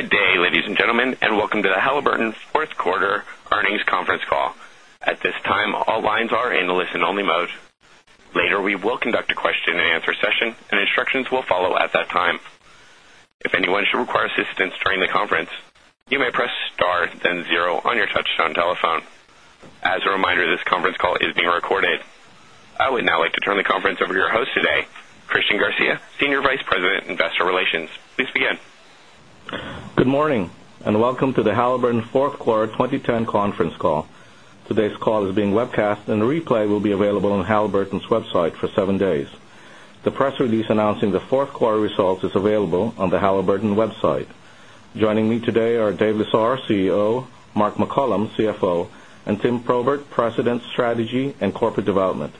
Good day, ladies and gentlemen, and welcome to the Halliburton's 4th Quarter Earnings Conference Call. At this time, all lines are in a listen only mode. Later, we will conduct a question and answer session and instructions will follow at that time. As a reminder, this conference call is being recorded. I would now like to turn the conference over to your host today, Christian Garcia, Senior Vice President, Investor Relations. Please begin. Good morning, and welcome to the Halliburton 4th Quarter 2010 Conference Call. Today's call is being webcast, and a replay will be available on Halliburton's website for 7 days. The press release announcing the 4th quarter results is available on the Halliburton Strategy and Corporate Development. In today's call, Dave will Strategy and Corporate Development.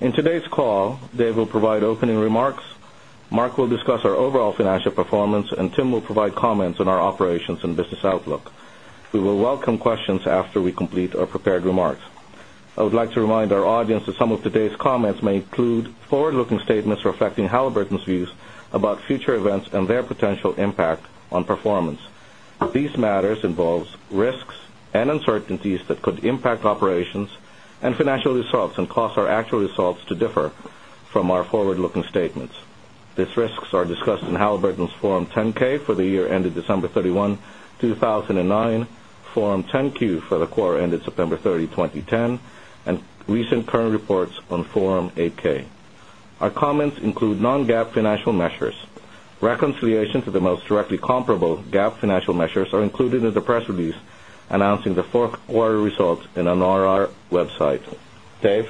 In today's call, Dave will provide opening remarks Mark will discuss our overall financial performance and Tim will provide comments on our operations and business outlook. We will welcome questions after we complete our prepared remarks. I would like to remind our audience that some of today's comments may include forward looking statements reflecting Halliburton's views about future events and their potential impact on performance. These matters involve risks and uncertainties that could impact operations and financial results and cause our actual results to differ from our forward looking statements. These risks are discussed in Halliburton's Form 10 ks for the year ended December 31, 2009, Form 10 Q for quarter ended September 30, 2010 and recent current reports on Form 8 ks. Our comments include non GAAP financial measures. Reconciliation to the most directly comparable GAAP financial measures are included in the press release announcing the 4th quarter results in our website. Dave?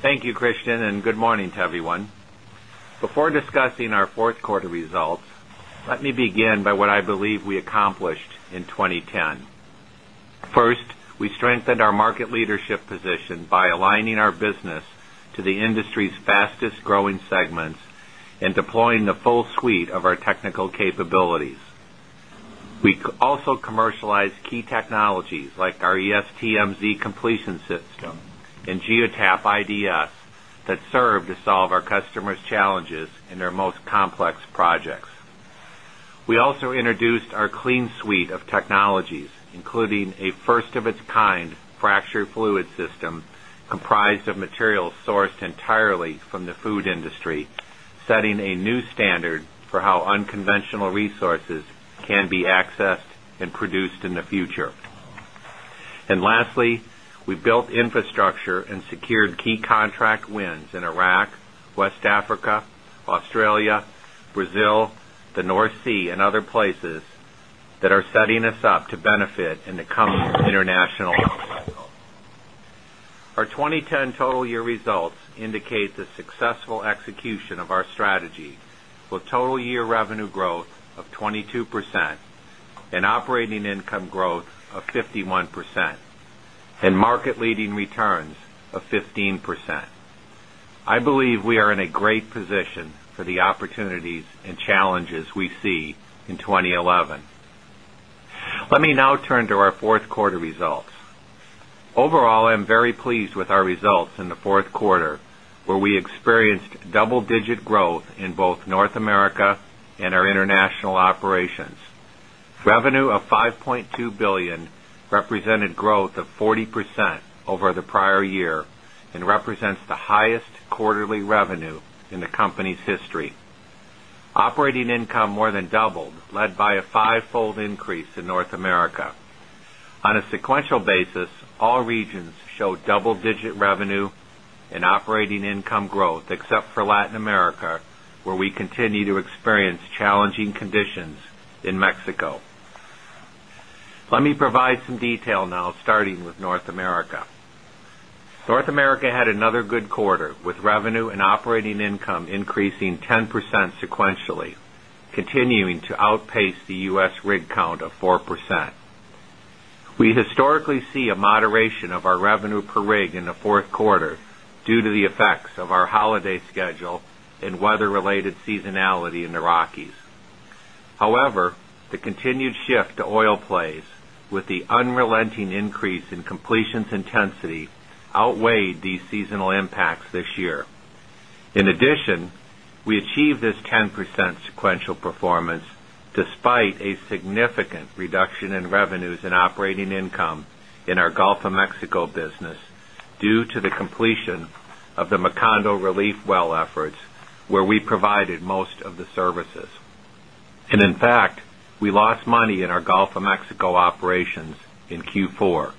Thank you, Christian, and good morning to everyone. Before discussing our aligning our business to the industry's fastest growing segments and deploying the full suite of our technical capabilities. We also commercialize key technologies like our ESTMZ Completion System and Geotap IDS that serve to solve our customers' And lastly, we built infrastructure and secured key contract wins in Iraq, West Africa, Australia, Brazil, the North Sea and other places that are setting the successful execution of our strategy with total year revenue growth of 22% and operating income growth of 51 percent and market leading returns of 15%. I believe we are in a great position for the opportunities I'm very pleased with our results in the 4th quarter where we experienced double digit growth in both North America and international operations. Revenue of $5,200,000,000 represented growth of 40% over the prior year and represents the highest quarterly revenue in the company's history. Operating income more than doubled led by 5 fold increase in North America. On a sequential basis, all regions showed double digit revenue and operating income growth except for Latin America where we continue to experience challenging conditions in Mexico. Let me provide some detail now starting with North America. North America had another good quarter with revenue and operating income increasing 10% sequentially continuing to outpace the U. S. Rig count of 4%. We historically see a moderation of our revenue per rig in the 4th quarter due to the effects of our holiday schedule and weather related seasonality in the Rockies. However, the unrelenting increase in completions intensity outweighed these seasonal impacts this year. In addition, we achieved this 10% sequential performance despite a significant reduction in revenues and operating income in our Gulf of Mexico business due to the completion of the Macondo relief well efforts where we provided most of the services. And in fact, we lost money in our Gulf of Mexico operations in Q4.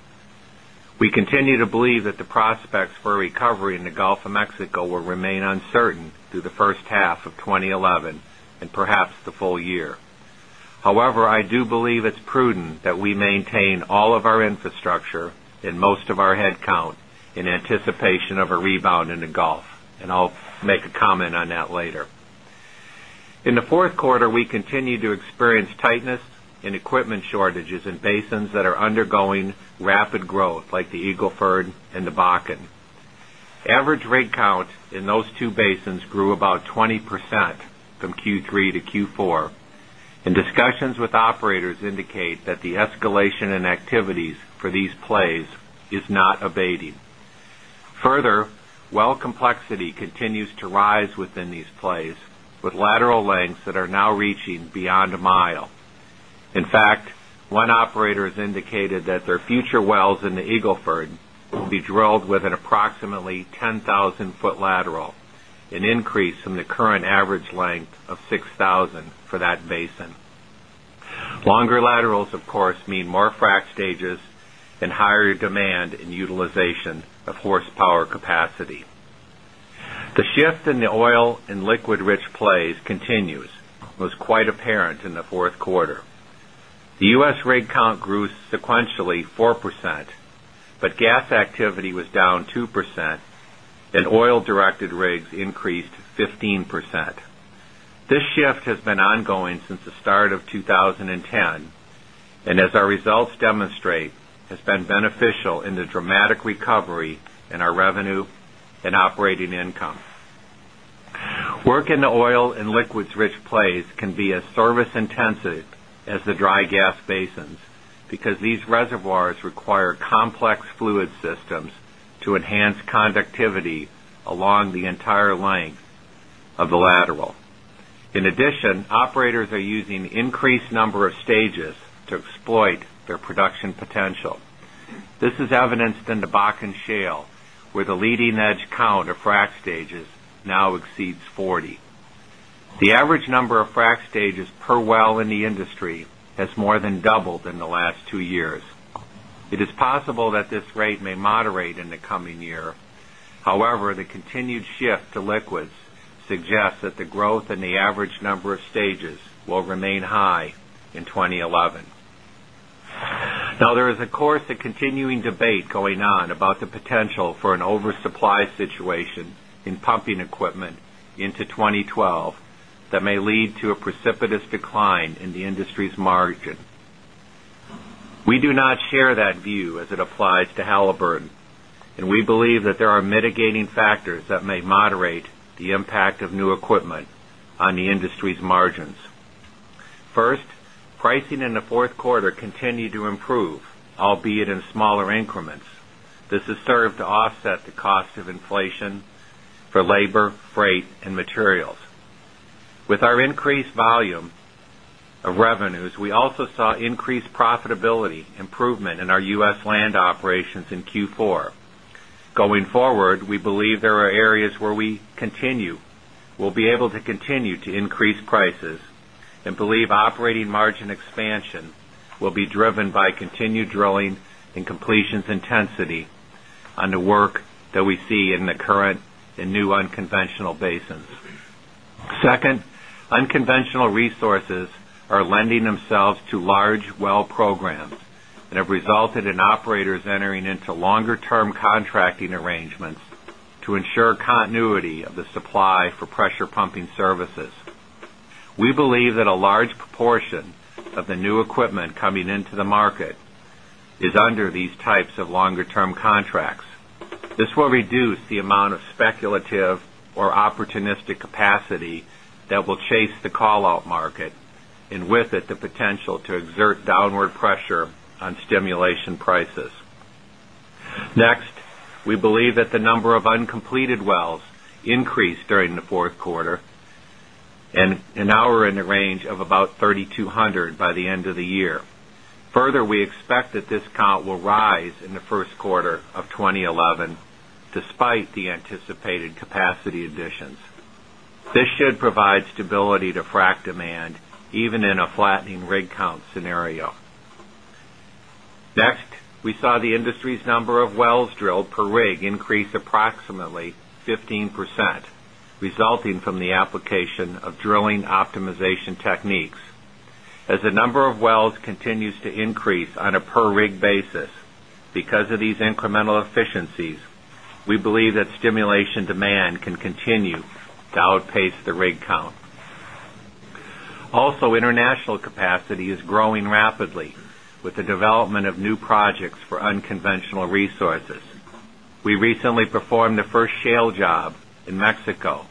We continue to believe that the prospects for a recovery in the Gulf of Mexico will remain uncertain through the first half of twenty eleven and the full year. However, I do believe it's prudent that we maintain all of our infrastructure in most of our headcount in anticipation of a rebound in the Gulf. And I'll make a comment on that later. In the Q4, we continue to experience tightness in equipment shortages in basins that are undergoing rapid growth like the Eagle Ford and the Bakken. Average rig count in those two basins grew about 20% from Q3 to Q4 and discussions with operators indicate that the escalation in activities for lateral lengths that are now reaching beyond a mile. In fact, one operator has indicated that their future wells in the Eagle Ford will be drilled with an approximately 10,000 foot lateral, an increase from the current average length of 6,000 for that basin. Longer laterals of course mean more frac stages and higher demand and utilization of capacity. The shift in the oil and liquid rich plays continues, was quite apparent in the 4th quarter. The U. S. Rig count grew sequentially 4%, but gas activity was down 2% and oil directed rigs increased 15%. This shift has been ongoing since the start of 2010 and as our results demonstrate has been beneficial in the dramatic recovery in our revenue and operating income. Work in the oil and liquids rich plays can be a service intensive as the dry gas basins because these reservoirs require complex fluid systems to enhance conductivity along the entire length of the lateral. In addition, operators are using increased number of stages exploit their production potential. This is evidenced in the Bakken Shale where the leading edge count stages now exceeds 40. The average number of frac stages per well in the industry has more than doubled in the last 2 years. It is possible that this rate may moderate in the coming year. However, the continued shift to liquids suggests to liquids suggests that the growth in the average number of stages will remain high in 2011. Now there is of course a continuing debate going on about the potential for an oversupply situation in pumping equipment into 2012 that may lead to a precipitous decline in the industry's margin. We do not share that view as it applies to Halliburton and we believe that there are mitigating factors that may moderate the impact of new equipment on the industry's margins. 1st, pricing in the Q4 continued to improve, albeit in smaller increments. This has served to offset the cost of inflation labor, freight and materials. With our increased volume of revenues, we also saw increased profitability improvement in our U. S. Land operations in Q4. Going forward, we believe there are areas where we continue we'll be able to continue to increase see in the current and new unconventional basins. 2nd, unconventional resources are lending themselves to large well programs and have resulted in operators entering into longer term contracting arrangements to ensure market is under these types of longer term contracts. This will reduce the amount of speculative or stimulation prices. Next, we believe that the number of uncompleted wells increased during the Q4 and now we're in the range of about 3,200 by the end of the year. Further, we expect that this count will rise in the Q1 of 2011 despite the anticipated capacity additions. This should provide stability to frac demand even in a flattening rig count scenario. Next, we saw the industry's number of wells drilled per rig increase approximately 15%, resulting from the application of drilling optimization techniques. As the number of wells continues to increase on a per rig basis because of these incremental efficiencies, we believe that stimulation demand can continue to outpace the rig count. Also international capacity is growing rapidly with the development of new projects for unconventional resources. We recently performed the 1st shale job in Mexico.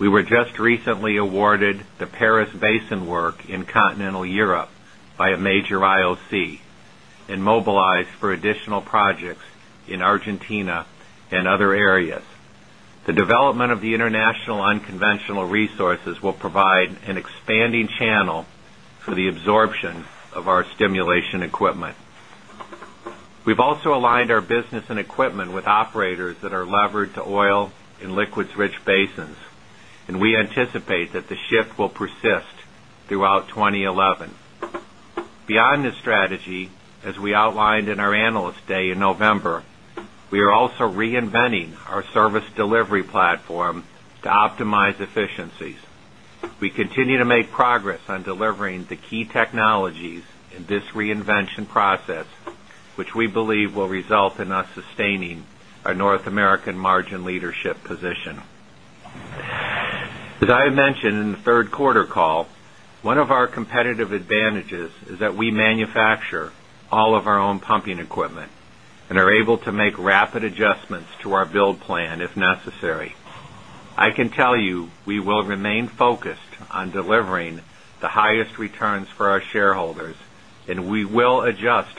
We were just recently awarded the Paris Basin work in areas. The development of the international unconventional resources will provide an expanding channel for the absorption of our stimulation equipment. We've also aligned our business and equipment with operators that are levered to oil in liquids rich basins and we anticipate that the shift will persist throughout 2011. Beyond this strategy, as we outlined in our Analyst Day in November, we are also reinventing our service delivery platform to optimize efficiencies. We continue to make progress on delivering the key technologies in this reinvention process, which we believe will of our adjust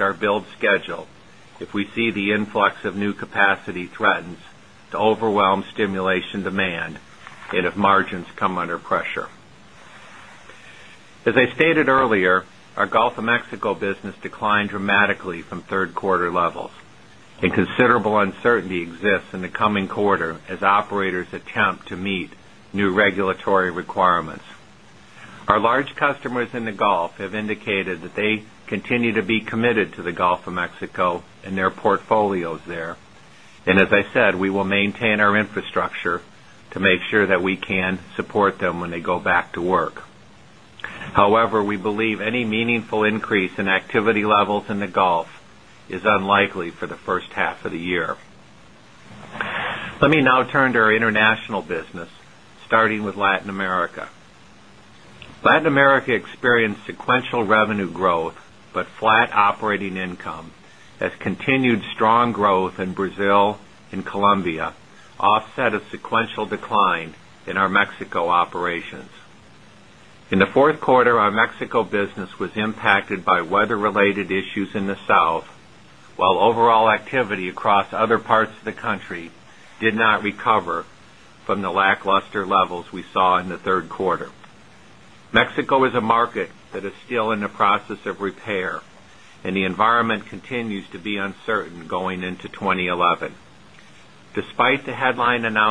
our build schedule if we see the influx of new capacity threatens to overwhelm stimulation demand regulatory requirements. Our large customers in the Gulf have indicated that they continue to be committed to the Gulf of Mexico and their portfolios there. And as I said, we will maintain our infrastructure to make sure that we can support them when they go back to work. However, we believe any meaningful increase in activity levels in the Gulf is unlikely for the first half of the year. Let me now turn to our international business starting with Latin America. Latin America experienced sequential revenue growth, but flat operating income as continued strong growth in Brazil and Colombia offset a sequential decline in our Mexico operations. In the Q4, our Mexico business was impacted by weather related issues in the South, while overall activity across other parts of the country did not recover from the lackluster levels we saw in the 3rd quarter. Mexico is a market that is still in the process of repair and the environment continues to be uncertain going into 11, In that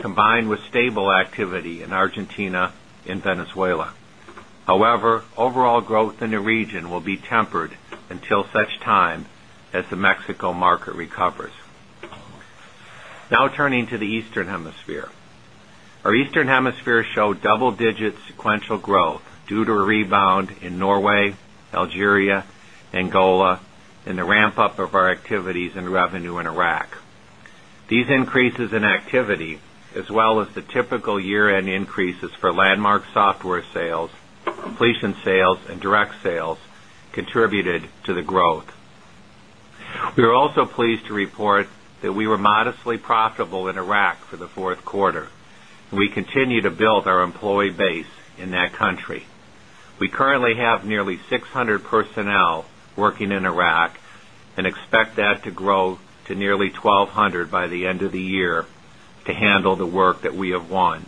However, overall growth in the region will be tempered until such time as the Mexico market recovers. Now turning to the Eastern Hemisphere. Our Eastern Hemisphere showed double digit sequential growth due to Algeria, Angola and the ramp up of our activities and revenue in Iraq. These increases in activity as well as the typical year end increases for landmark software sales, completion sales and direct sales contributed to the the growth. We are also pleased to report that we were modestly profitable in Iraq for the Q4. We continue to build our employee base in that country. We currently have nearly 600 personnel working in Iraq and expect that to grow to nearly 1200 by the end of the year to handle the work that we have won.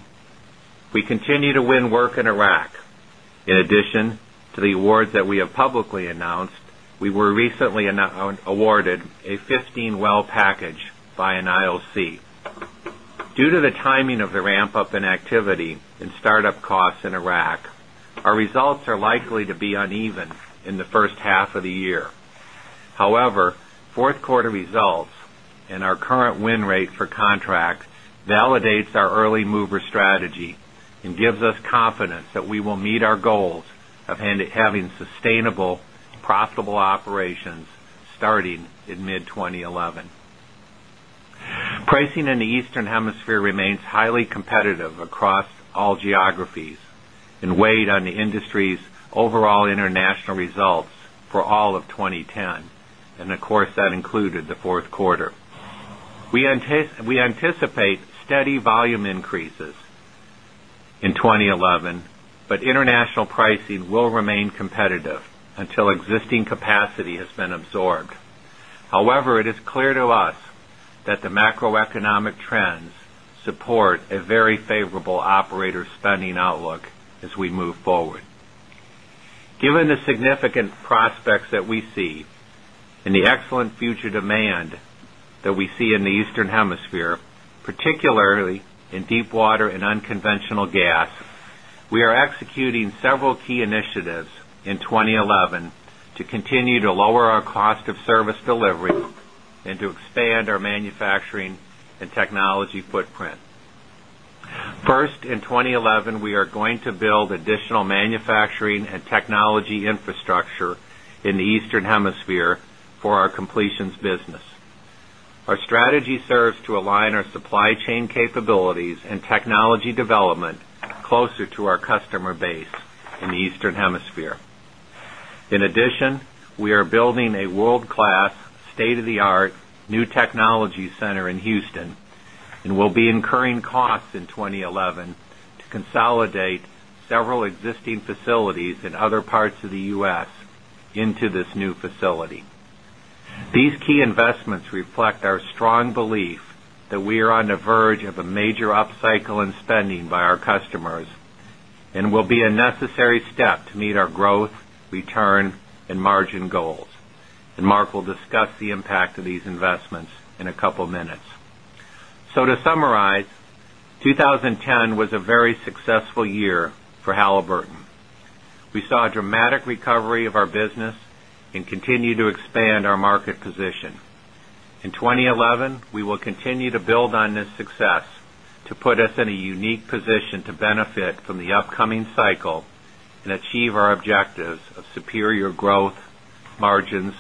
We continue to win work in Iraq. Recently awarded a 15 well package by NIOC. Due to the timing of the ramp up in activity and start up costs in Iraq, our results are likely to be uneven in the gives us confidence that we will meet our goals of having sustainable profitable operations starting in mid-twenty 11. Pricing in the Eastern Hemisphere remains highly competitive across all geographies and weighed on the industry's overall international results for all of 20 10. Pricing will remain competitive until existing capacity has been absorbed. However, it is clear to us that the Given the significant prospects that we see and the excellent future demand that we see in the Eastern Hemisphere, particularly in deepwater and unconventional gas, we are executing several key initiatives in 2011 to continue to lower our cost of service delivery and to expand our manufacturing and technology footprint. First in 2011, we are going to build additional manufacturing and technology infrastructure in the Eastern Hemisphere for our completions business. Our strategy serves to align our supply chain capabilities and technology development closer to our the U. S. Into this new facility. These key investments reflect our strong belief that we are on the verge of a major up cycle in spending by our customers and will be a necessary step to meet our growth, return and margin goals. And Mark will discuss the impact of these investments in a couple of minutes. So to summarize, 2010 was a very successful year for Halliburton. We saw a dramatic recovery of our business and continue to expand our market position. In 2011, we will continue to build on this success to put us in a unique position to benefit from the upcoming cycle and achieve our objectives of superior growth, margins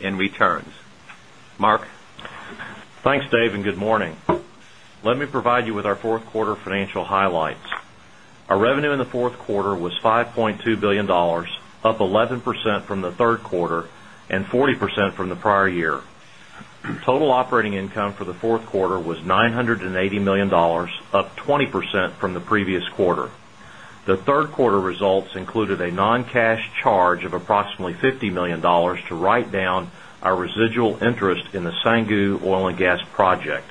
and returns. Mark? Thanks, Dave, and good morning. Let me provide you with our 4th quarter financial highlights. Our revenue in the 4th quarter was $5,200,000,000 up 11% from the 3rd quarter and 40% from the prior year. Total operating income for the 4th quarter was $980,000,000 up 20% from the previous quarter. The 3rd quarter results included a non cash charge of approximately $50,000,000 to write down our residual interest in the Canggu oil and gas project.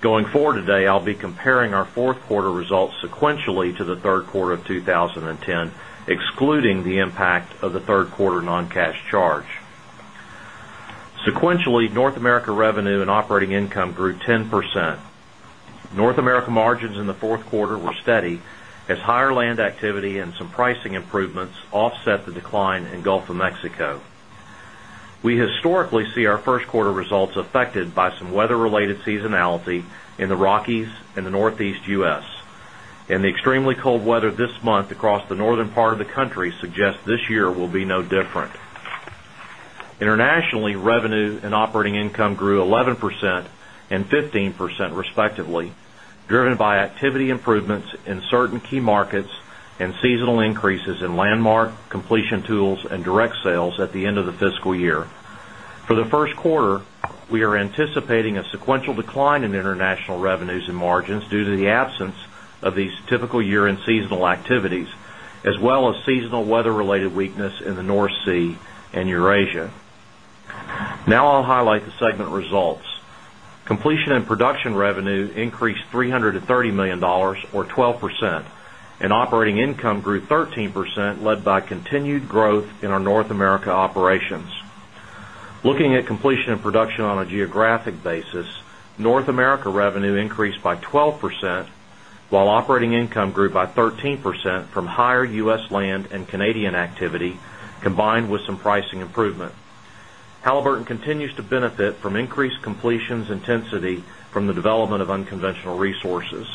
Going forward today, I'll be comparing our 4th quarter results sequentially to the Q3 of 2010, excluding the impact of the 3rd quarter non cash charge. Sequentially, North America revenue and operating weather related seasonality in the Rockies and the Northeast U. S. And the extremely cold weather this month across the northern part of the country suggests this year will be no different. Internationally, revenue and operating income grew 11% and 15% respectively, driven activity improvements in certain key markets and seasonal increases in landmark, completion tools and direct sales at the end of the fiscal year. For the first quarter, we are anticipating a sequential decline in international revenues and margins due to the absence of these typical year end seasonal activities well as seasonal weather related weakness in the North Sea and Eurasia. Now I'll highlight the segment results. Completion and production revenue increased $330,000,000 or 12% and operating income grew 13% led by continued growth in our North America operations. Looking at completion and production on a geographic basis, North America the development of unconventional resources.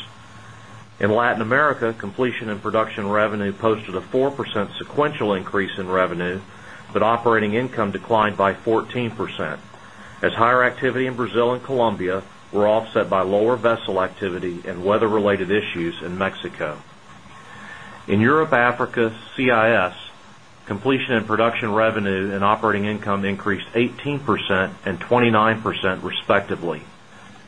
In Latin America, completion and production revenue posted a 4% sequential increase in revenue, but operating income declined by 14% as higher activity in Brazil and Colombia were offset by lower vessel activity and weather related issues in Mexico. In Europe Africa CIS, completion and production revenue and operating income increased 18% and 29%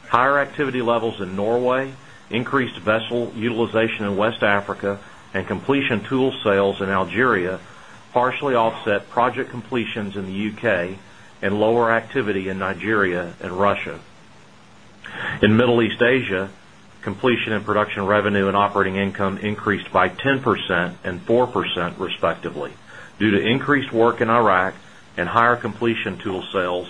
Higher activity levels in Norway, increased vessel utilization in West Africa and completion tool sales in Algeria partially offset project completions in the UK and lower activity in Nigeria and Russia. In Middle East Asia, completion and production revenue and operating income increased by 10% and 4% respectively due to increased work in Iraq and higher respectively, due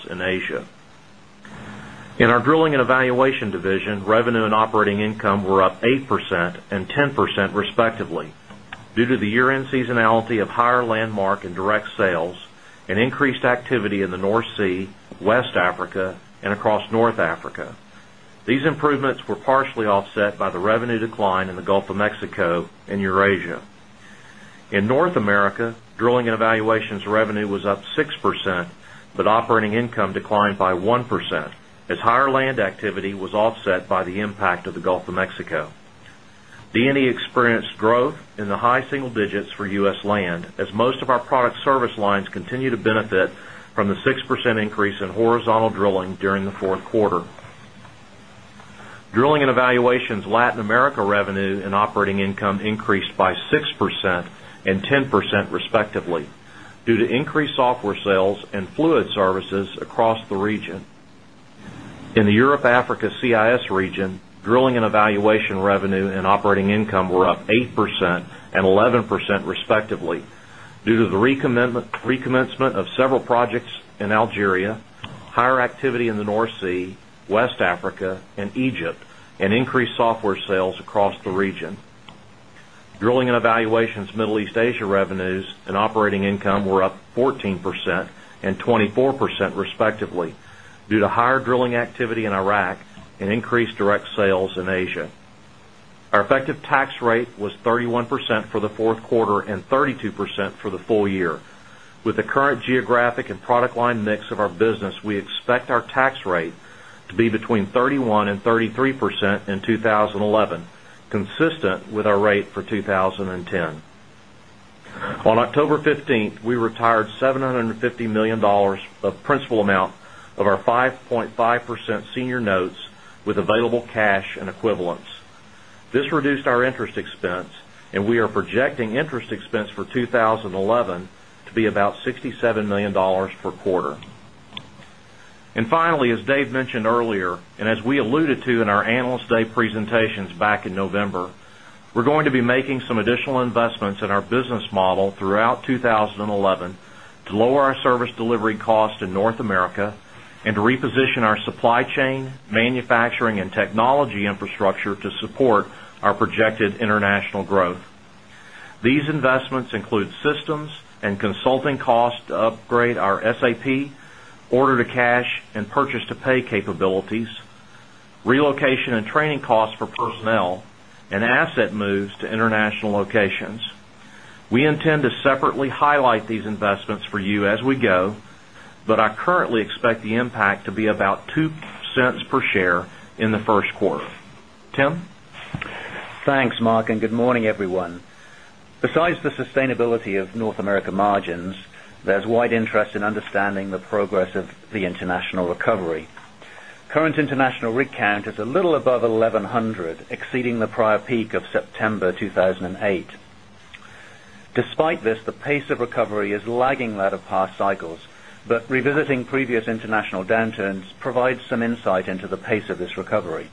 to the year end seasonality of higher landmark and direct sales and increased activity in the North Sea, West Africa and across North Africa. These improvements were partially offset by the revenue decline in the Gulf of Mexico and declined by 1% as higher land activity was offset by the impact of the Gulf of Mexico. D and E experienced growth in the high single digits for U. S. Land as most of our product service lines continue to benefit from the 6% increase in horizontal drilling during the Q4. Drilling and Evaluation's Latin America revenue and operating income increased by 6% and 10% respectively due to increased software sales and fluid services due to increased software sales and fluid services across the region. In the Europe Africa CIS region, drilling and evaluation revenue and operating income were up 8% and 11% and Egypt and increased software sales across the region. Drilling and Evaluation's Middle East Asia revenues and operating income were up 14% and 24% respectively due to higher drilling activity in Iraq and increased direct sales in Asia. Our effective tax rate was 31% for the 4th quarter and 32% for the full year. With the current geographic and product line mix of our business, we expect our tax rate to be between 31% 33% in 2011, consistent with our rate for 2010. On October 15, we retired $750,000,000 of principal amount of our 5.5% senior notes with available cash and 20 our service delivery cost in North America and to reposition our supply chain, manufacturing and technology infrastructure support our projected international growth. These investments include systems and consulting costs to upgrade our SAP, order to cash and purchase to pay capabilities, relocation and training costs for personnel and asset moves to international locations. We intend to separately highlight these investments for you as we go, but I currently expect the impact to be about $0.02 per share in the Q1. Tim? Thanks, Mark, and good morning, Current international rig count is a little above 1100 exceeding the prior peak of September 2,008. Despite this, the pace of recovery is lagging that of past cycles, but revisiting previous international downturns provides some insight into the pace of this recovery.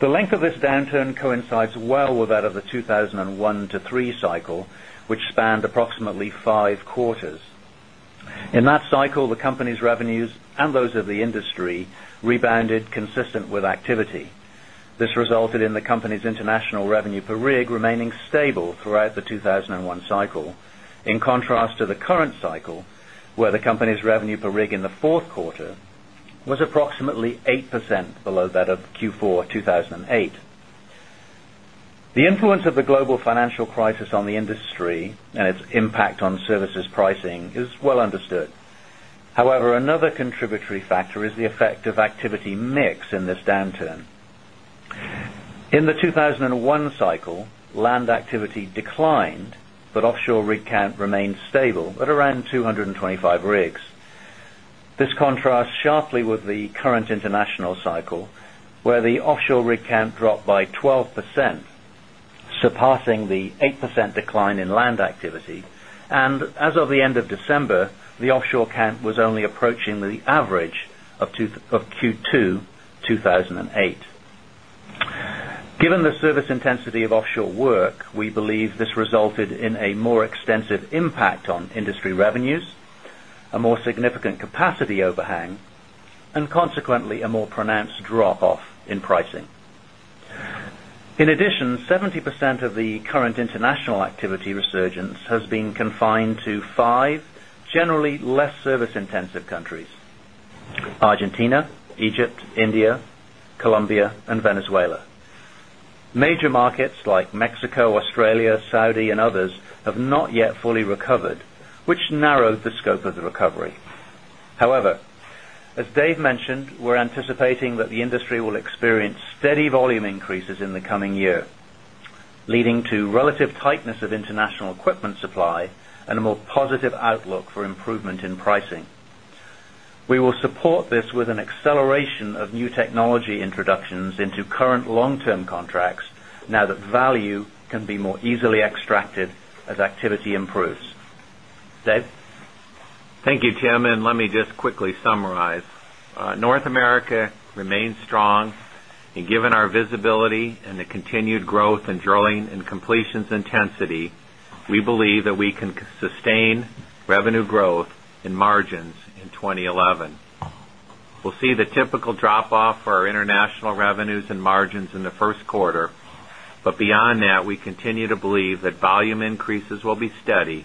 The length of this downturn coincides well with that of the 2,001 to 3 cycle, which spanned approximately 5 quarters. In that cycle, the company's revenues and those of the industry revenue per rig remaining stable throughout the 2,001 cycle in contrast to the current cycle where the company's revenue per rig in the Q4 was approximately 8% below that of Q4, 2008. The influence of the global financial crisis on the industry and its impact on services pricing is well understood. However, another contributory factor is the effect of activity mix in this downturn. In the 2,001 cycle, land activity declined, but offshore rig count remained stable at around 2 25 rigs. This contrasts sharply with the current international cycle, where the offshore rig count dropped by 12%, surpassing the 8% decline in land activity. And as of the end of December, the offshore count was only approaching the average of Q2, 2008. Given the service intensity of offshore work, we believe this resulted in a more extensive impact on industry revenues, a more significant capacity overhang and consequently a more pronounced drop off in pricing. In addition, 70% of the current international activity resurgence has been confined to 5 generally less service intensive countries, Argentina, Egypt, India, Colombia and Venezuela. Major markets like Mexico, Australia, Saudi and others have not yet fully recovered, which narrowed the scope of the recovery. However, as Dave mentioned, we're anticipating that the industry will experience steady volume increases in the coming year, leading to relative tightness of international equipment supply and a more positive outlook for improvement in pricing. We will support this with an acceleration of new technology introductions into current long term contracts now that value can be more easily revenue growth and margins in 20 11. We'll see the typical drop off for our international revenues and margins in the Q1, but beyond that, we continue to believe that volume increases will be steady and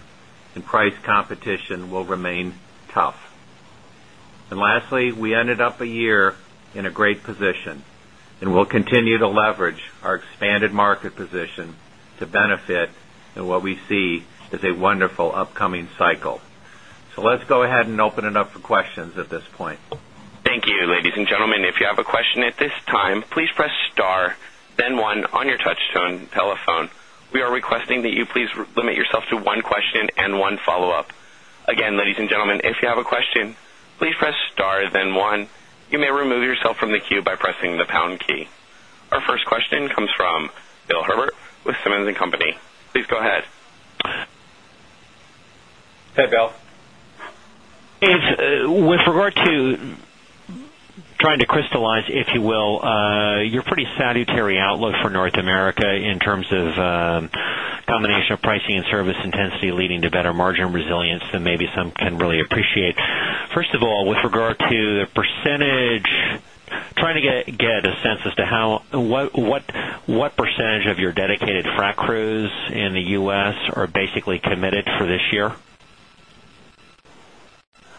price competition will remain tough. And And benefit in what we see as a wonderful upcoming cycle. So let's go ahead and open it up for questions at this point. Thank you. Our first question comes from Bill Herbert with Simmons and Company. Please go ahead. Hey, Bill. With regard to trying to crystallize, if you will, your pretty sedentary outlook for North America in terms of combination of pricing and service intensity leading to better margin resilience and maybe some can really appreciate. First of all, with regard to the percentage, trying to get a sense as to how what percentage of your dedicated frac crews in the U. S. Are basically committed for this year?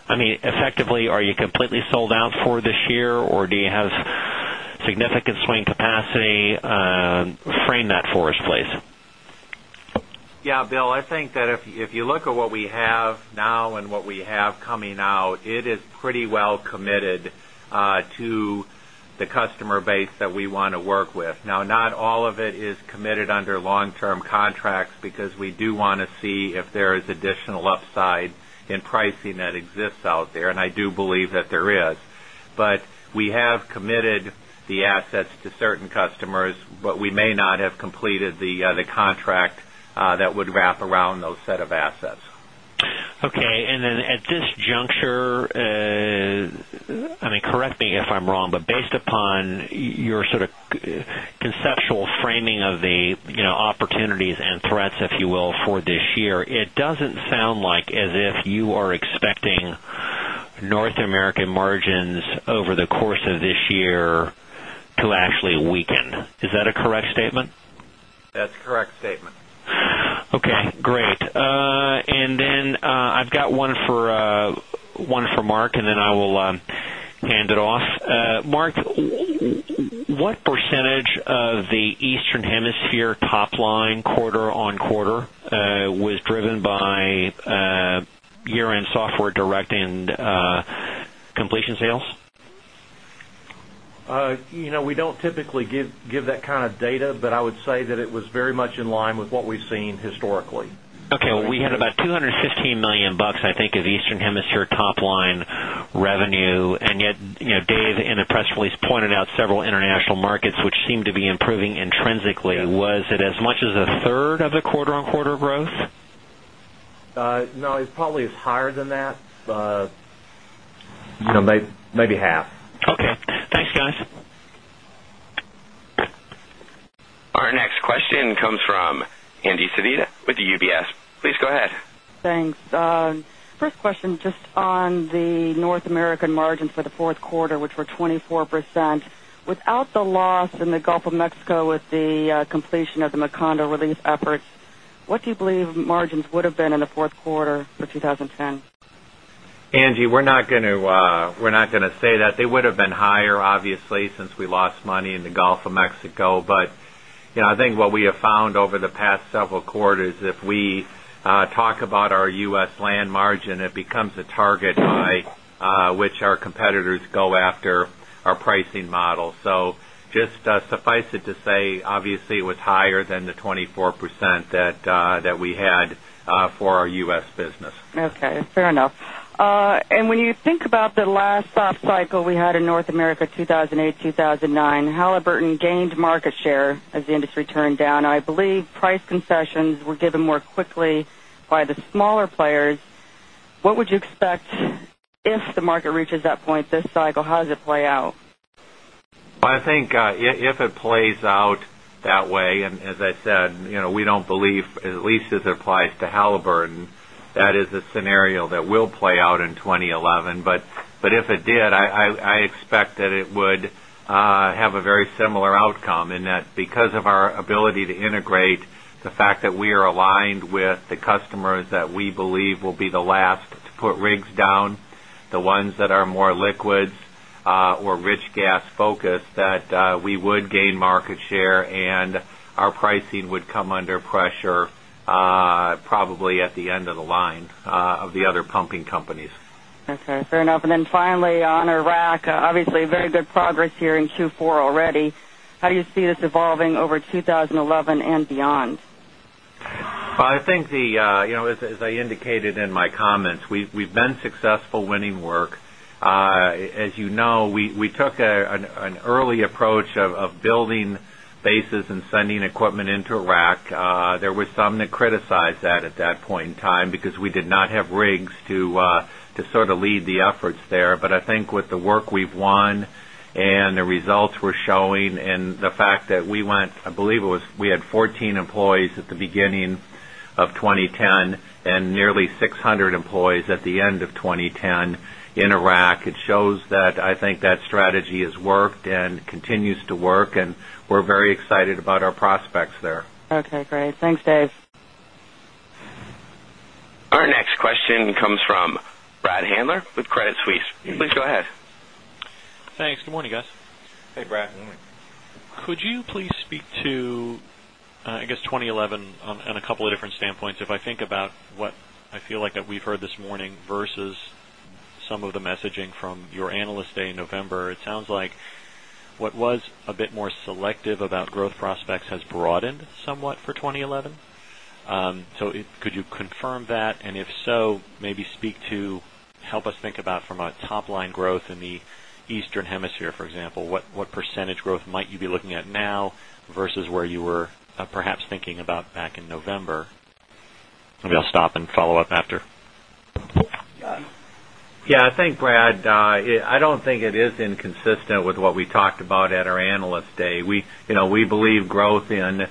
I mean effectively are you completely sold out for this year or do you have significant swing capacity frame that for us please? Yes, Bill, I think that if you look at what we have now and what we have coming out, it is pretty well committed to the customer base that we want to work with. Now not all of it is committed under long term contracts because we do want to see if there is additional upside in have completed the contract that would wrap around those set of assets. Okay. And then at this juncture, I mean correct me if I'm wrong, but based upon your sort of conceptual framing of the opportunities and threats if you will for this year, it doesn't sound like as if you are expecting North American margins over the course of this year to actually weaken. Is that a correct statement? That's a correct statement. Okay, great. And then I've got one for Mark and then I will hand it off. Mark, what percentage of the Eastern Hemisphere top line quarter on quarter was driven by year end software direct and completion sales? We don't typically give that kind of data, but I would say that it was very much in line with what we've seen historically. Okay. We had about $215,000,000 I think of Eastern Hemisphere top line revenue and yet Dave in the press release pointed out several international markets which seem to be improving intrinsically. Was it as much as a third of the quarter on quarter growth? No, it probably is higher than that, maybe half. Okay. Thanks guys. Our next question comes percent. Without the loss in the Gulf of Mexico with the completion of the Macondo release efforts, what do you believe margins would have been in the Q4 for 2010? Angie, we're not going to say that. They would have been higher obviously since we lost money in the Gulf of Mexico. But I think what we have found over the past several quarters, if we talk about our U. S. Land margin, it becomes a target by which our competitors go after U. S our U. S. Business. Okay, fair enough. And when you think about the last soft cycle we had in North America 2,008, 2 1009, Halliburton gained market share as the industry turned down. I believe price concessions were given more quickly by the smaller players. What would you expect if the market reaches that point this cycle, how does it play out? Well, I think if it plays out that way and as I said, we don't believe at least as it applies to Halliburton that is a scenario that will play out in 2011. But if it did, I expect that it would have a very similar outcome and that because of our ability to integrate the fact that we are aligned with the customers that we believe will be the last to put rigs down, the ones that are more liquids or rich gas focused that we would gain market share and our pricing would come under pressure probably at the end of the line of the other pumping companies. Okay, fair enough. And then finally on Iraq, obviously very good progress here in Q4 already. How do you see this evolving over 2011 beyond? Well, I think the as I indicated in my comments, we've been successful winning work. As you know, we took an early approach of building bases and efforts there. But I think with the work we've won and the efforts there. But I think with the work we've won and the results we're showing and the fact that we went, I believe it was we had 14 employees at the beginning of 2010 and nearly 600 employees at the end of 2010 in Iraq. It shows that I think that strategy has worked and continues to work and we're very excited about our prospects there. Okay, great. Thanks, Dave. Our next question comes from Brad Handler with Credit Suisse. Please go ahead. Thanks. Good morning, guys. Hey, Brad. Good morning. Could you please speak to, I guess, 2011 on a couple of different standpoints, if I think about what feel like that we've heard this morning versus some of the messaging from your Analyst Day in November, it sounds like what was a bit more selective about growth prospects has broadened somewhat for 2011. So could you confirm that? And if so, maybe speak to help us think about from a top line growth in the Eastern Hemisphere, for example, what percentage growth might you be looking at now versus where you were perhaps thinking about back in November? Maybe I'll stop and follow-up after. Yes, I think Brad, I don't think it is inconsistent with what we talked about at our Analyst Day. We believe growth in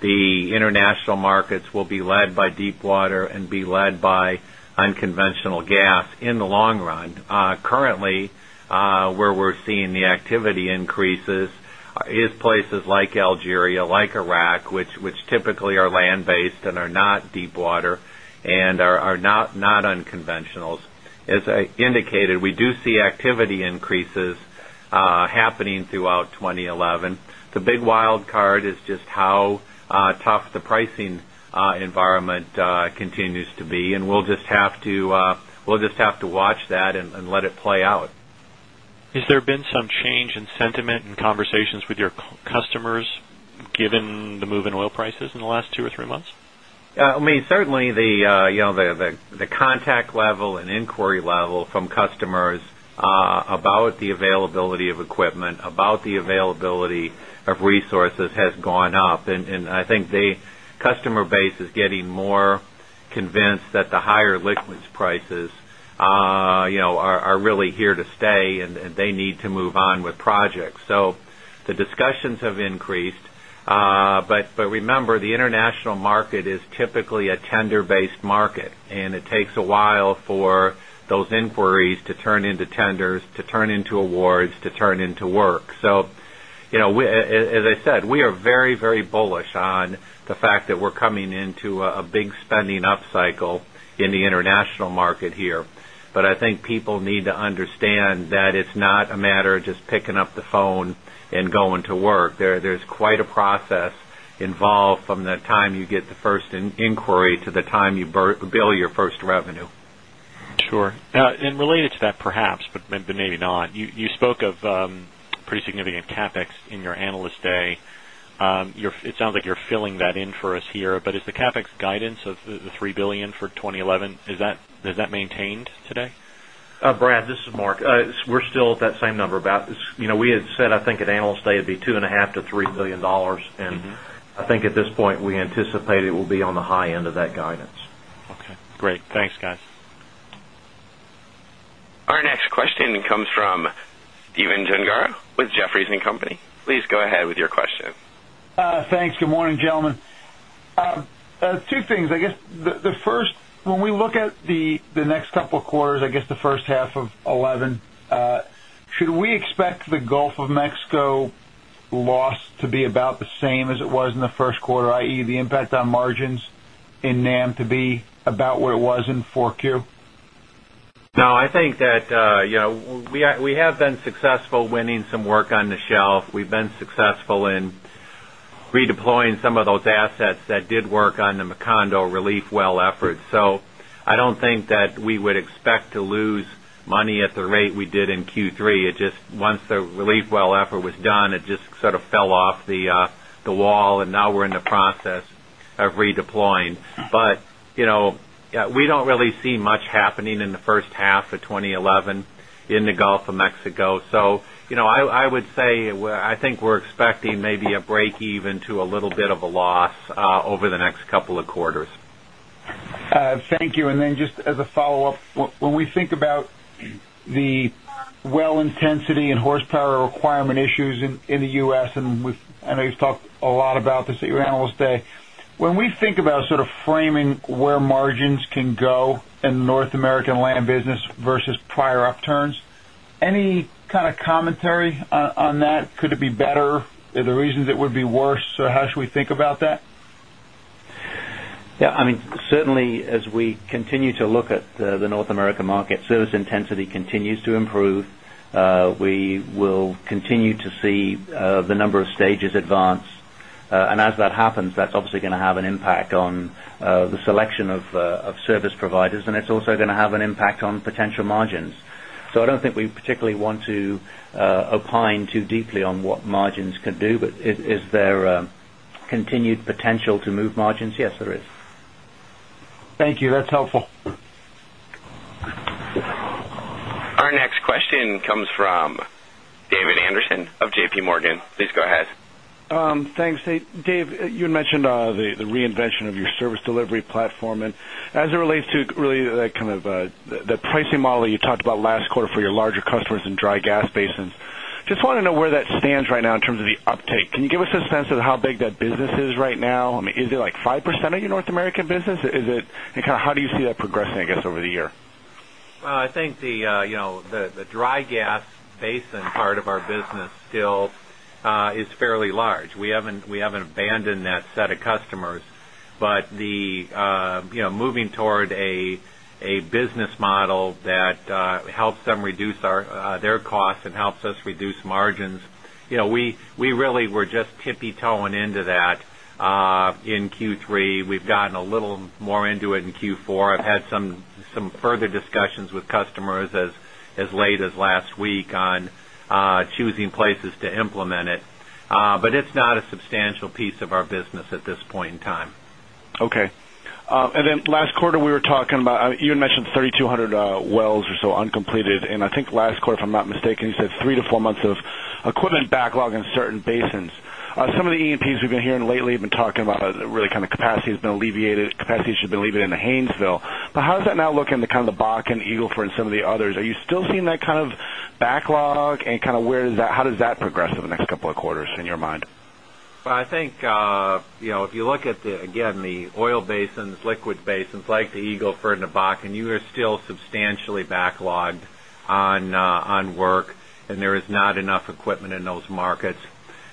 the international markets will be led by deepwater and be led by unconventional gas in the long run. Currently, where we're seeing not not unconventionals. As I indicated, we do see activity increases happening throughout 20 11. The big wild card is just how tough the pricing environment continues to be and we'll just have to watch that and let it play out. Has there been some change in sentiment and conversations with your customers given the move in oil prices in the last 2 or 3 months? I mean certainly the contact level and inquiry level from customers about the availability of equipment, about the availability of resources has gone up. And I think the customer base is getting more convinced that the higher liquids prices are really here to stay and they need to move on with projects. So the discussions have increased. But remember the international market is typically a tender based market and it takes a while for those inquiries to turn into tenders, to turn into awards, to turn into work. So as I said, we are very, very bullish on the fact that we're coming into a big spending upcycle in the international market here. But I think people need to understand that it's not a matter of just picking up the phone and going to work. There's quite a process involved from the time you get the first inquiry to the time you bill your first revenue. Sure. And related to that perhaps, but maybe not, you spoke of pretty significant CapEx in your Analyst Day. It sounds like you're filling that in for us here, but is the CapEx guidance of the $3,000,000,000 for 20.11, is that maintained today? Brad, this is Mark. We're still at that same number. We had said I think at Analyst Day it'd be $2,500,000,000 to $3,000,000 And I think at this point we anticipate it will be on the high end of that guidance. Okay, great. Thanks guys. Our next question comes from Stephen Gengaro with Jefferies and Company. Please go ahead with your question. Thanks. Good morning, gentlemen. Two things. I guess the first, when we look at the next couple of quarters, I guess the first half of twenty eleven, should we expect the Gulf of Mexico loss to be about the same as it was in the Q1, I. E. The impact on margins in NAM to be about what it was in 4Q? No, I think that we have been successful winning some work on the Macondo relief well efforts. So I don't think that we would expect to lose money at the rate we did in Q3. It just once the relief well effort was done, it just sort of fell off the wall and now we're in the process of redeploying. But we don't really see much happening in the first half of twenty eleven in the Gulf of Mexico. So I would say, I think we're expecting maybe a breakeven to a little bit of a loss over the next couple of quarters. Thank you. And then just as a follow-up, when we think about the well intensity and horsepower requirement issues in the U. S. And I know you've talked a lot about this at your Analyst Day. When we think about sort of framing where margins can go in North American land business versus prior upturns, any kind of commentary on that? Could it be better? The reasons it would be worse? So how should we think about that? Yes. I mean, certainly, as we continue to look at the North America market, service intensity continues to improve. We will continue to see the number of stages advance. And as that happens, that's obviously going to have an impact on the selection of service providers, and it's also going to have an impact on potential margins. So I don't think we particularly want to opine too deeply on what margins can do, but is there continued potential to move margins? Yes, there is. Thank you. That's helpful. Our next question comes from David Anderson of JPMorgan. Please go ahead. Thanks. Dave, you had mentioned the reinvention of your service delivery platform. And as it relates to really that kind of the pricing model you talked about last quarter for your larger customers in dry gas basins. Just want to know where that stands right now in terms of the uptake. Can you give us a sense of how big that business is right now? I mean is it like 5% of your North American business? Is it and kind of how do you see that progressing I guess over the year? I think the dry gas basin part of our business still is fairly large. We haven't abandoned that set of customers, but the moving toward a business model that helps them reduce their costs and helps us reduce had some further discussions with customers as late as last week on choosing places to implement it. But it's not a substantial piece of our business at this point in time. Okay. And then last quarter we were talking about, you had mentioned 3,200 wells or so uncompleted. And I think last quarter, if I'm not mistaken, you said 3 to 4 months of equipment backlog in certain basins. Some of the E and Ps we've been hearing lately talking about really kind of capacity has been alleviated, capacity should be leaving in the Haynesville. But how does that now look into kind of the Bakken, Eagle Ford and some of the others? Are you still seeing that kind of backlog and kind of where does that how does that progress over the next couple of quarters in your mind? Well, I think if you look at the again the oil basins, liquid basins like the Eagle Ford and the Bakken, you are still substantially backlogged on work and there is not enough equipment in those markets.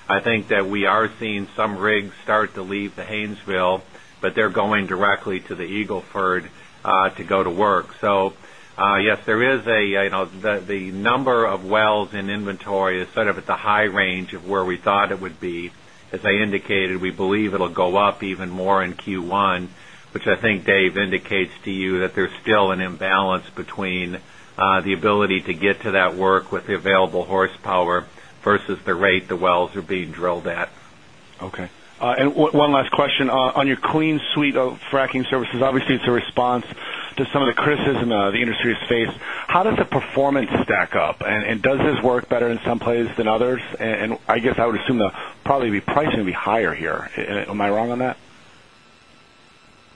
I think that we are seeing some rigs start to leave the Haynesville, but they're going directly to the Eagle Ford to go to work. So yes, there is a the number of wells in inventory is sort of at the high range of where we thought it would be. As I indicated, we believe it will go up even more in Q1, which I think Dave indicates to you that there's still an imbalance between the ability to get to that work with the available horsepower versus the rate the wells are being drilled at. Okay. And one last question on your clean suite of fracking services, obviously it's a response to some of the criticism the industry has faced. How does the performance stack up and does this work better in some place than others? And I guess I would assume that probably the pricing will be higher here. Am I wrong on that?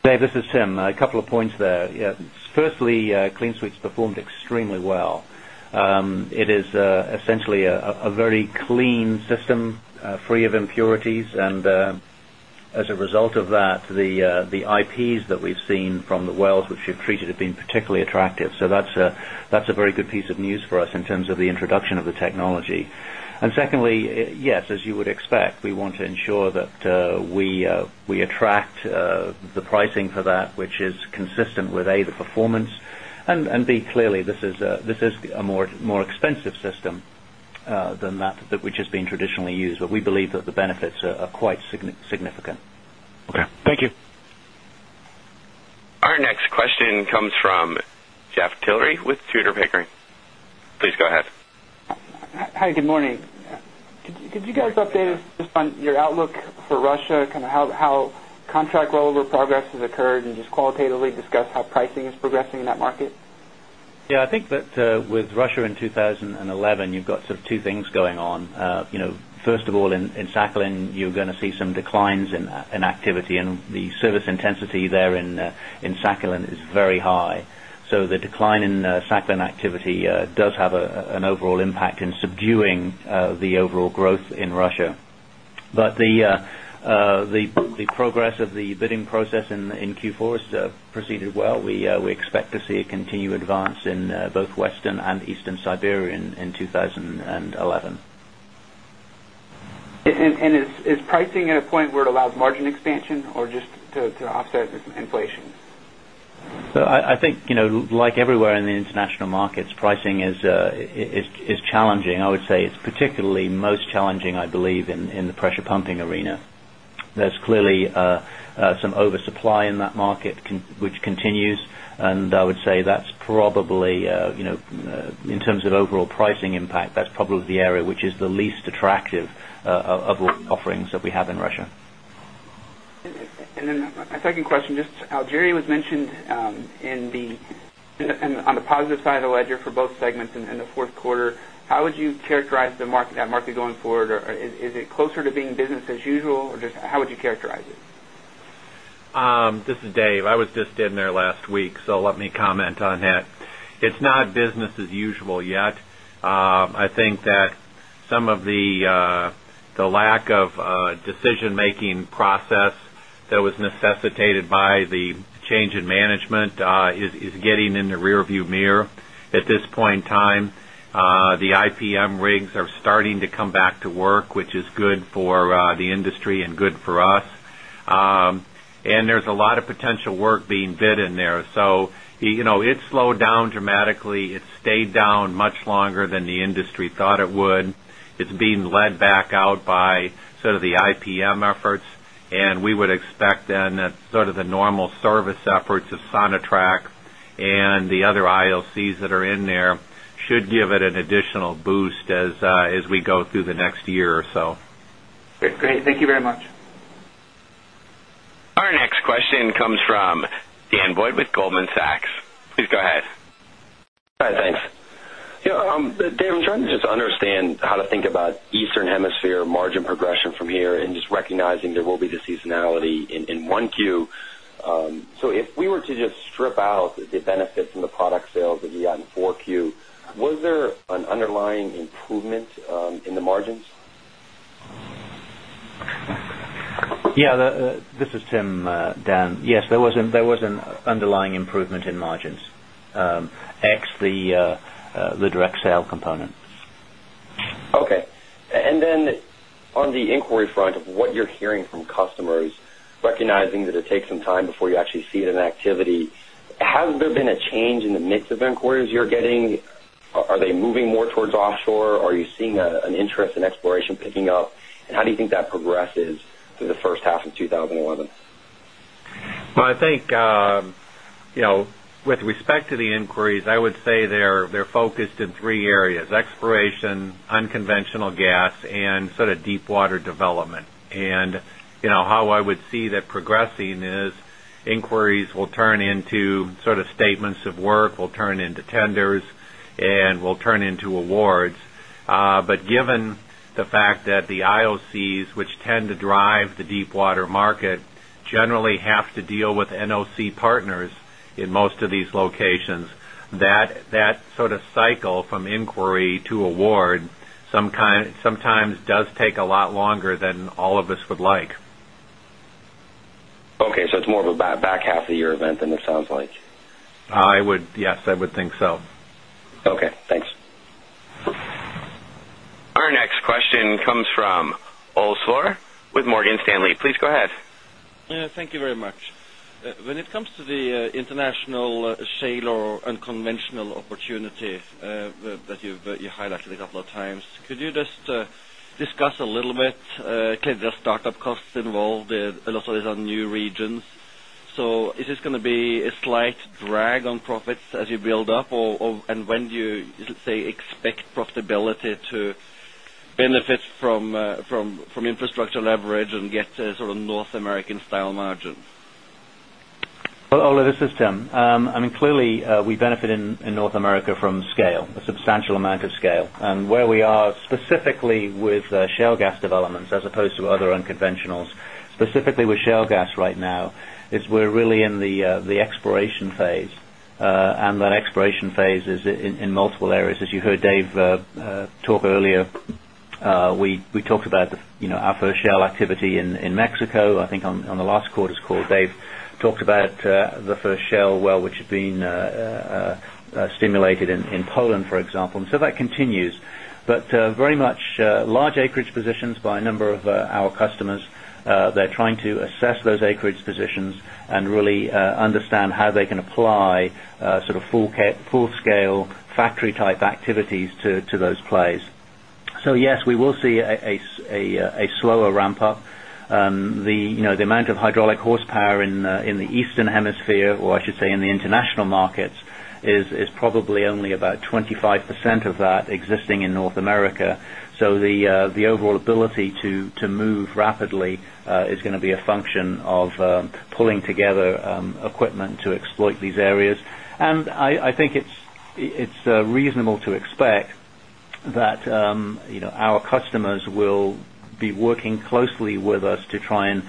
Dave, this is Tim. A couple of points there. Firstly, Clean Suites performed extremely well. It is essentially a very clean system, free of impurities. And as a result of that, the IPs that we've seen from the wells which we've treated have been particularly attractive. So that's a very good piece of news for us in terms of the introduction of the technology. And secondly, yes, as you would expect, we want to ensure that we attract this is this is a more expensive system than that which has been traditionally used. But we believe that the benefits are quite significant. Okay. Thank you. Our next question comes from Geoff Tillery with Tudor, Pickering. Please go ahead. Hi, good morning. Could you guys update us just on your outlook for Russia, kind of how contract rollover progress has occurred and just qualitatively discuss how pricing is progressing in that market? Yes, I think that with Russia in 2011, you've got sort of 2 things going on. First of all, in Sakhalin, you're going to see some declines in activity and the service intensity there in Sakhalin is very high. So the decline in Sakhalin activity does have an overall impact in subduing the overall growth in Russia. But the progress of the bidding process in Q4 has proceeded well. We expect to see a continued advance in both Western and Eastern Siberia in 2011. And is pricing at a point where it allows margin expansion or just to offset this inflation? So, I think like everywhere in the international markets, pricing is challenging. I would say it's particularly most challenging, I believe, in the pressure pumping arena. There's clearly some oversupply in that market, which continues. And I would say that's probably in terms of overall pricing impact, that's probably the area which is the least attractive of offerings that we have in Russia. And then my second question, just Algeria was mentioned in the on the positive side of the ledger for both segments in the Q4, how would you characterize the market that market going forward? Or is it closer to being business as usual? Or just how would you characterize it? This is Dave. I was just in there last week, so let me comment on that. It's not business as usual yet. I think that some of the lack of decision making process that was necessitated by the change in management is getting in the rearview mirror. At this point in time, the IPM rigs are starting to come back to work, which is good for the industry and good for us. And there's a lot of potential work being bid in there. So it slowed down dramatically. It stayed down much longer than the industry thought it would. It's being led back out by sort of the IPM efforts and we would expect then that sort of the normal service efforts of Sonitrack and the other IOCs that are in there should give it an additional boost as we go through the next year or so. Great. Thank you very much. Our next question comes from Dan Boyd with Goldman Sachs. Please go ahead. Hi. Thanks. Dave, I'm trying to just understand how to think about Eastern Hemisphere margin progression from here and just recognizing there will be the seasonality in 1Q. So if we were to just strip out the benefits in in the product sales that you had in 4Q, was there an underlying improvement in the margins? Yes. Yes. There was an underlying improvement in margins, sale component. Okay. And then on the inquiry front of what you're hearing from customers, recognizing that it takes some time before you actually see it in activity, has there been a change in the mix of inquiries you're getting? Are they moving more towards offshore? Are you seeing an interest in exploration picking up? And how do you think that progresses through the first half of twenty eleven? Well, I think with respect to the inquiries, I would say they're focused in 3 areas exploration, unconventional gas and sort of deepwater development. And how I would see that progressing is But given the fact But given the fact that the IOCs which tend to drive the deepwater market generally have to deal with sometimes does take a lot longer than all of us would like. Okay. So it's more of a back half of the year event than it sounds like? I would yes, I would think so. Okay. Thanks. Our next question comes from Olszlar with Morgan Stanley. Please go ahead. Thank you very much. When it comes to the international shale or unconventional opportunity that you highlighted a couple of times, could you just discuss a little bit, clearly there are start up costs involved in Los Altos are new regions. So is this going to be a slight drag on profits as you build up? And when do you expect profitability to benefit from infrastructure leverage and get sort of North American style margin? Ola, this is Tim. I mean, clearly, we benefit in North America from scale, a substantial amount of scale. And where we are specifically with specifically with shale gas developments as opposed to other unconventionals, specifically with shale gas right now is we're really in the exploration phase. And that exploration phase is in multiple areas. As you heard Dave talk earlier, we talked about our first shell activity in Mexico. I think on the last quarter's call, Dave talked about the first shale well, which had been stimulated in Poland, for example. And so that continues. But very much large acreage positions by a number of our customers. They're trying to assess those acreage positions and really understand how they can apply sort of full scale factory type activities to those plays. So yes, we will see a slower ramp up. The amount of hydraulic horsepower in the Eastern Hemisphere or I should say in the international markets is probably only about 25% of that existing in North America. So, the overall ability to move rapidly is going to be a function of pulling together expect that our customers will be working closely with us to try and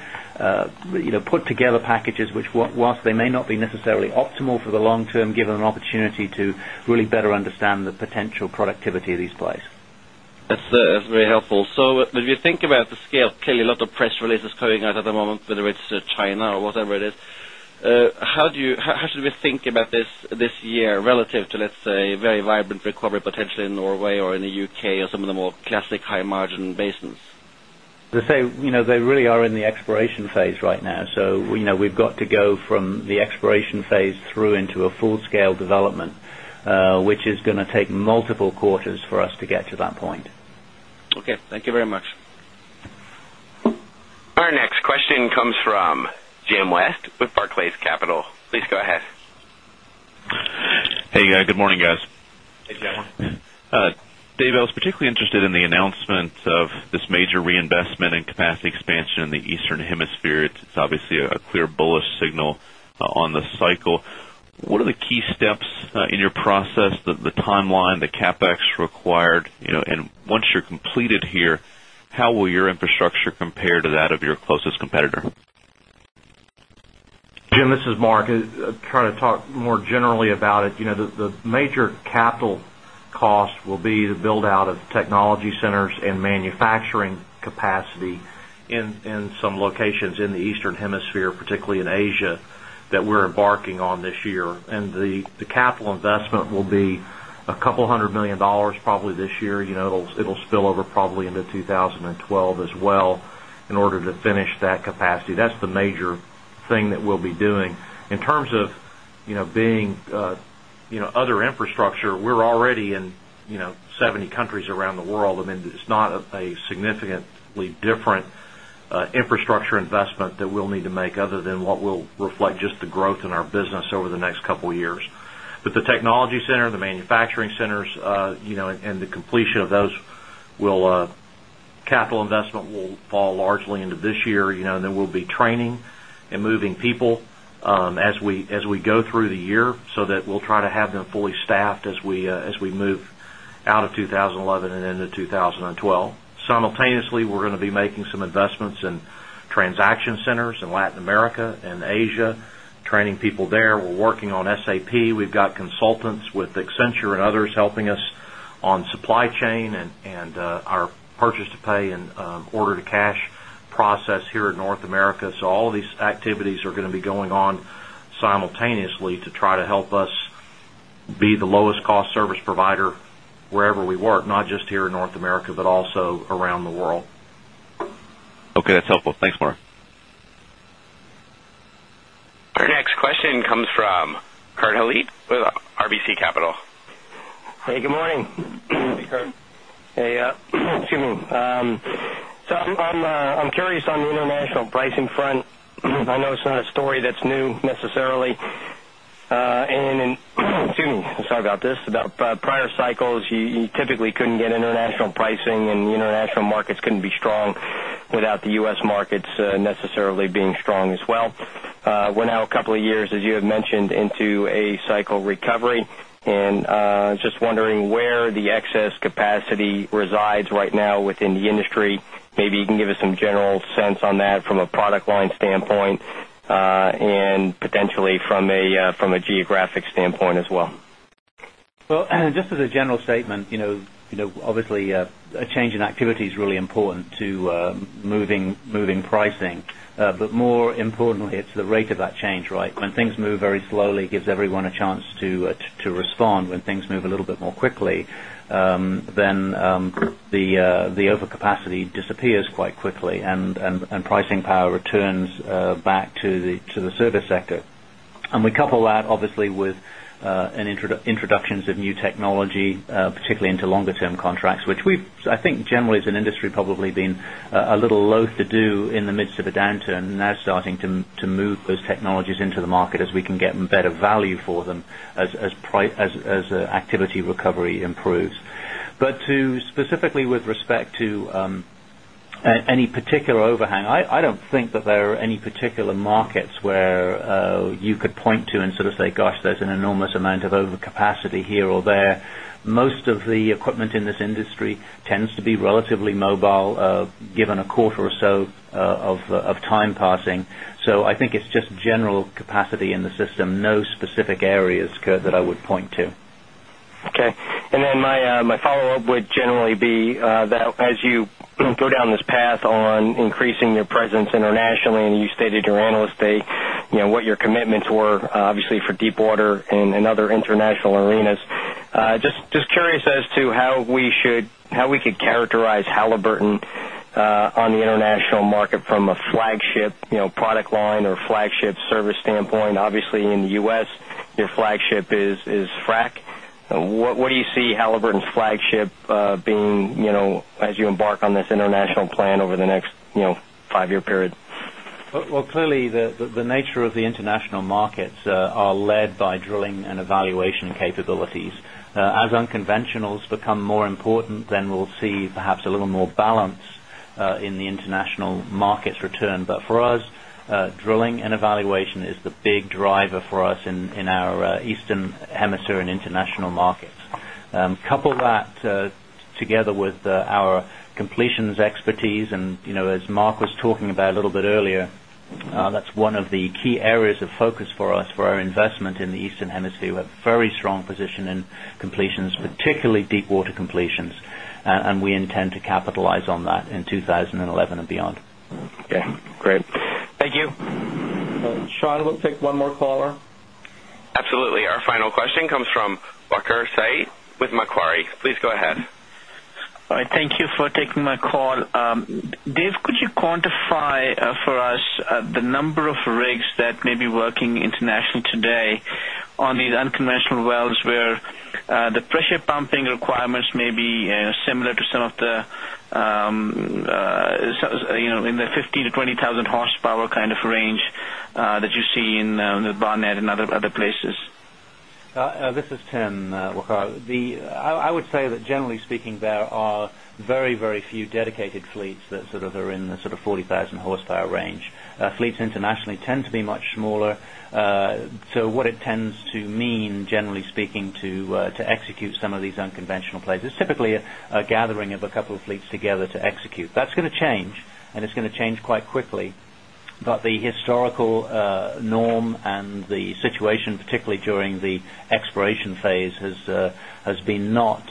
put together packages, which whilst they may not be necessarily optimal for the long term, given an opportunity to really better understand the potential productivity of these plays. That's very helpful. So as you think about the scale, clearly a lot of press releases coming out at the moment, whether it's China or whatever it is. How do you how should we think about this year relative to, let's say, very vibrant recovery potentially in Norway or in the UK or some of the more classic high margin basins? They say they really are in the exploration phase right now. So we've got to go from the exploration phase through into a full scale development, which is going to take multiple quarters for us to get to that point. Okay. Thank you very much. Our next question comes from Jim West with Barclays Capital. Please go ahead. Hey, good morning guys. Hey, gentlemen. Dave, I was particularly interested in the announcement of this major reinvestment in capacity expansion in the Eastern Hemisphere. It's obviously a clear bullish signal on the cycle. What are the key steps in your process, the timeline, the CapEx required? And once you're completed here, how will your infrastructure compare to that of your closest competitor? Jim, this is Mark. Trying to talk more generally about it. The major capital cost will be the build out of technology centers and manufacturing capacity in some locations in the Eastern Hemisphere, particularly in Asia that we're embarking on this year. And the capital investment will be a couple of $100,000,000 probably this year. It will spill over probably into 2012 as well in order to finish that capacity. That's the major thing that we'll be doing. In terms of being other infrastructure, we're already in 70 countries around the world. I mean, it's not a significantly different infrastructure investment that we'll need to make other than what will reflect just the growth in our business over the next couple of years. But the technology center, the manufacturing centers and the completion of those will capital investment will fall largely into this year. There will be training and moving people as we go through the year, so that we'll try to have them fully staffed as we move out of 2011 and into 2012. Simultaneously, we're going to be making some investments transaction centers in Latin America and Asia, training people there. We're working on SAP. We've got consultants with Accenture and others helping us on supply chain and our purchase to pay and order to cash process here in North America. So all of these activities are going simultaneously to try to help us be the lowest cost service provider wherever we work, not just here in North America, but also around the world. Okay. That's helpful. Thanks, Mark. Our next question comes from Kurt Hallead with RBC Capital. Hey, good morning. Hey, Kurt. Hey, excuse me. So I'm curious on the international pricing front. I know it's not a story that's new necessarily. And excuse me, sorry about this, about prior cycles, you typically couldn't get international pricing and international markets couldn't be strong without the U. S. Markets necessarily being strong as well. We're now a couple of years, as you have mentioned, into a cycle recovery. And just wondering where the excess capacity resides right now within the industry. Maybe you can give us some general sense on that from a product line standpoint and potentially from a geographic standpoint as well? Well, just as a general statement, obviously, a change in activity is really important to moving pricing. But more important, it's the rate of that change, right? When things move very slowly, it gives everyone a chance to respond. When things move a little bit more quickly, then the overcapacity disappears quite quickly and pricing power returns back to the service sector. And we couple that obviously with introductions of new technology, particularly into longer term contracts, which we've I think generally as an industry probably been a little loath to do in the midst of a downturn, now starting to move those technologies into the market as we can get better value for them as activity recovery improves. But to specifically with respect to any particular overhang, I don't think that there are any particular are any particular markets where you could point to and sort of say, gosh, there's an enormous amount of overcapacity here or there. Most of the equipment in this industry tends to be relatively mobile given a quarter or so of time passing. So I think it's just general capacity in the system. No specific areas, Kurt, that I would point to. Okay. And then my follow-up would generally be that as you go down this path on increasing your presence internationally and you stated at your Analyst Day what your commitments were obviously for deepwater and other international arenas. Just curious as to how we should how we could characterize flagship service standpoint. Obviously, in the U. S, your flagship is frac. What do you see Halliburton's flagship being as you embark on this international plan over the next 5 year period? Well, clearly, the nature of the international markets are led by drilling and evaluation capabilities. As unconventionals become more important, then we'll see perhaps a little more balance in the international markets return. But for us, drilling and evaluation is the big driver for us in our Eastern Hemisphere and international markets. Couple that together with our completions expertise and as Mark was talking about a little bit earlier, that's one of the key areas of focus for us for very strong position in completions, particularly deepwater completions and we intend to capitalize on that in 2011 beyond. Okay, great. Thank you. Sean, we'll take one more caller. Absolutely. Our final question comes from Wacker Sayy with Macquarie. Syed with Macquarie. Please go ahead. All right. Thank you for taking my call. Dave, could you quantify for us the number of rigs that may be working internationally today on these unconventional wells where the pressure pumping requirements may be similar to some of the in the 15,000 to 20,000 horsepower kind of range that you see in the Barnett and other places? This is Tim, Rocco. I would say that generally speaking there are very, very few dedicated fleets that sort of are in the sort of 40,000 horsepower range. Fleets internationally tend to be much smaller. So what it tends to mean, generally speaking, to execute some of these unconventional plays is typically a gathering of a couple of fleets together to execute. That's going to change and it's going to change quite quickly. But the historical norm and the situation particularly during the exploration phase has been not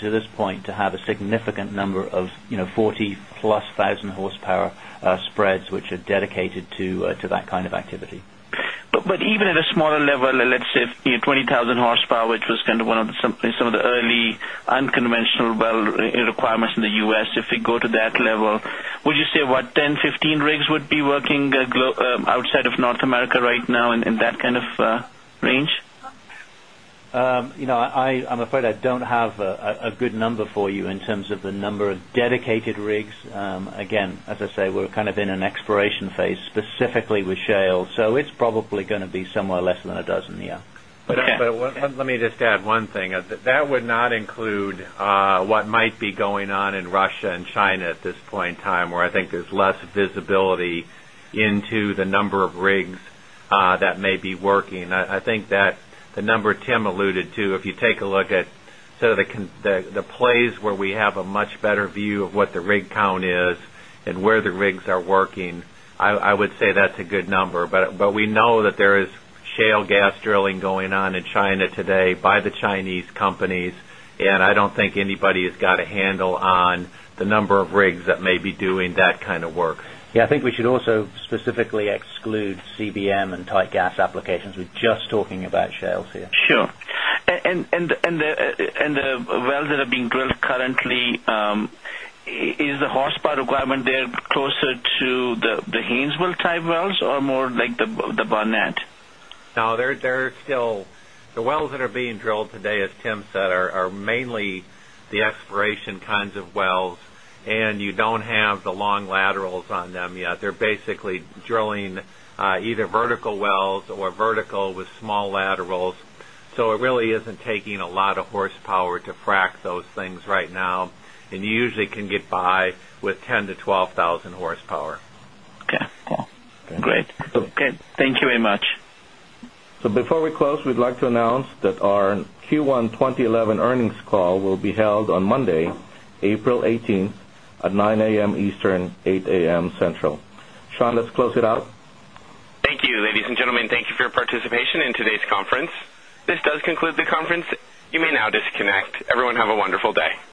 to this point to have a significant number of 40,000 +000 +000spreads, which are dedicated to that kind of activity. But even at a smaller level, let's say 20,000 horsepower, which was kind of one of the some of the early unconventional well requirements in the U. S, if we go to that level, would you say what 10, 15 rigs would be working outside of North America right now in that kind of range? I'm afraid I don't have a good number for you in terms of the number of dedicated rigs. Again, as I say, we're kind in an exploration phase specifically with shale. So it's probably going to be somewhere less than a dozen, yes. But let me just add one thing. That would not include what might be going on in Russia and China at this point in time where I think there's less visibility into the number of rigs that may be working. I think that the number Tim alluded to, if you take a look at sort of the plays where we have a much better view of what the rig count is and where the rigs are working, I would say that's a good number. But we know that there is shale gas drilling going on in China today by the Chinese companies and I don't think anybody has got a handle on the number of rigs that may be doing kind of work. Yes, I think we should also specifically exclude CBM and tight gas applications. We're just talking about shales here. Sure. And And the wells that are being drilled currently, is the horsepower requirement there closer to the Haynesville type wells or more like the Barnett? No, there is still the wells that are being drilled today as Tim said are mainly the exploration kinds of wells and you don't have the long laterals on them yet. They're basically drilling either vertical wells or vertical with small laterals. So it really isn't taking a lot of horsepower to frac those things right now and you usually can get by with 10000 to 12000 horsepower. Okay, great. Thank you very much. So before we close, we'd like to announce that our Q1 2011 earnings call will be held on Monday, April 18 at 9 a. M. Eastern, 8 a. M. Central. Sean, let's close it out. Thank you. Ladies and gentlemen, thank you for your participation in today's conference. This does conclude the conference. You may now disconnect. Everyone have a wonderful day.